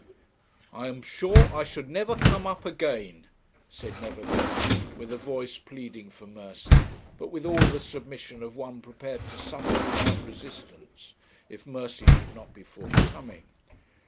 'I am sure I should never come up again,' said Neverbend, with a voice pleading for mercy, but with all the submission of one prepared to suffer without resistance if mercy should not be forthcoming.